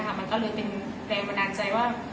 มันก็เลยเป็นแผนบันดาจใจ